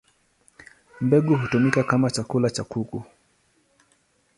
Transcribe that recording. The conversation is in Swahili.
Mbegu hutumika kama chakula cha kuku.